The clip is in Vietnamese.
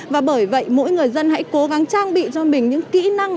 và bởi vậy mỗi người dân hãy cố gắng trang bị cho mình những kỹ năng